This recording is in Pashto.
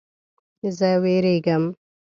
زه ویریږم